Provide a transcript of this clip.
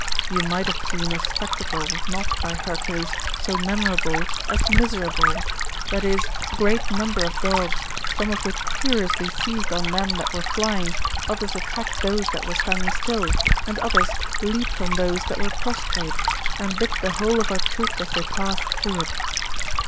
You might have seen a spectacle, not, by Hercules, so memorable as miserable ; viz., a great number of dogs, some of which furiously seized on them that were flying, others attacked those that were standing still, and others leaped on those that were prostrate, and bit the whole of our troop as they passed through it.